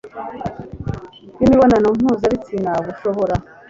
bw' imibonano mpuzabitsina bushobora